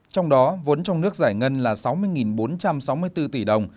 trong đó vốn trong nước giải ngân là sáu mươi bốn trăm sáu mươi bốn tỷ đồng